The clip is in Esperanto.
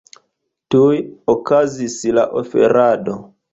Tuj okazis la oferado.